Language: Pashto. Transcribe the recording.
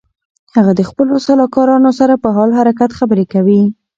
هغه د خپلو سلاکارانو سره په حال حرکت خبرې کوي.